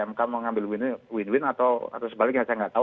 mk mau ngambil win win atau sebaliknya saya nggak tahu